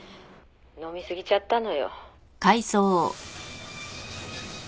「飲みすぎちゃったのよ」